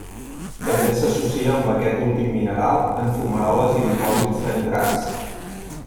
També s'associa amb aquest últim mineral en fumaroles i dipòsits de nitrats.